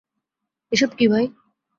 এসব কী ভাই!